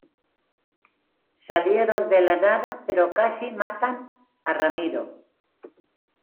salieron de la nada, pero casi matan a Ramiro.